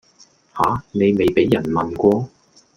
吓!你未畀人問過?